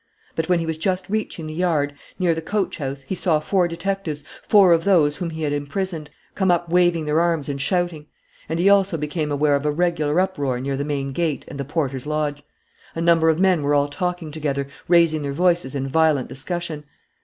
But, when he was just reaching the yard, near the coach house, he saw four detectives, four of those whom he had imprisoned, come up waving their arms and shouting. And he also became aware of a regular uproar near the main gate and the porter's lodge. A number of men were all talking together, raising their voices in violent discussion.